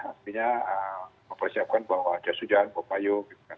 artinya mempersiapkan bawa jas hujan bawa payu gitu kan